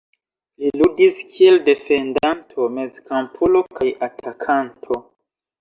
Li ludis kiel defendanto, mezkampulo kaj atakanto.